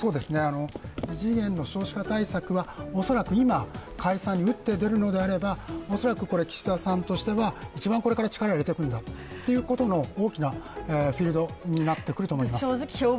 異次元の少子化対策は今、解散に打って出るのであれば、恐らく岸田さんとしては一番力を入れてくるんだという大きなフィールドになってくると思います。